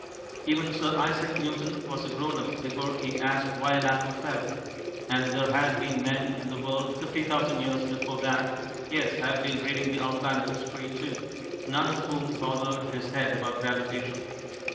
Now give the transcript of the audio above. Even Sir Isaac Newton was a grown up before he asked why an apple fell, and there had been men in the world fifty thousand years before that (yes I have been reading The Outline of History, too), none of whom bothered his head about gravitation.